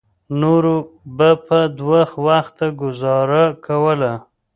نورو به په دوه وخته ګوزاره کوله.